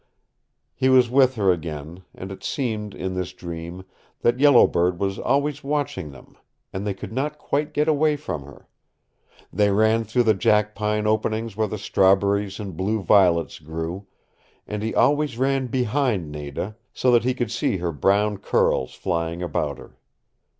He was with her again and it seemed, in this dream, that Yellow Bird was always watching them, and they could not quite get away from her. They ran through the jackpine openings where the strawberries and blue violets grew, and he always ran behind Nada, so he could see her brown curls flying about her.